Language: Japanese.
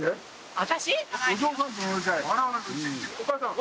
私？